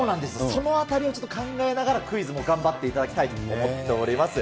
そのあたりをちょっと考えながら、クイズも頑張っていただきたいと思っております。